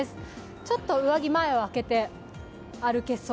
ちょっと上着、前を開けて歩けそう？